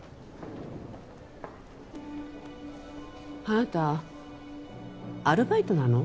あなたアルバイトなの？